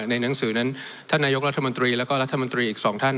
ในหนังสือนั้นท่านนายกรัฐมนตรีแล้วก็รัฐมนตรีอีกสองท่าน